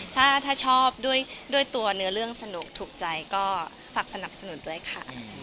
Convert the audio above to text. ถ้าชอบด้วยตัวเนื้อเรื่องสนุกถูกใจก็ฝากสนับสนุนด้วยค่ะ